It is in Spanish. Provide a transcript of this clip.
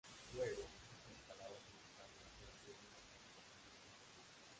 Luego, estas palabras empezaron a ser atribuidas al cosmonauta.